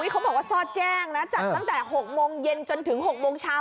เขาบอกว่าซอดแจ้งนะจัดตั้งแต่๖โมงเย็นจนถึง๖โมงเช้า